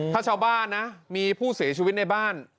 ถ้าชาวบ้านนะมีผู้เสียชีวิตในบ้าน